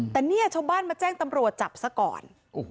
แต่เนี่ยชาวบ้านมาแจ้งตำรวจจับซะก่อน